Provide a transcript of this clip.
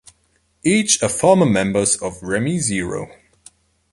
Each are former members of Remy Zero.